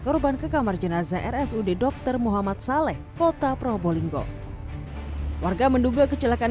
korban ke kamar jenazah rsud dokter muhammad saleh kota probolinggo warga menduga kecelakaan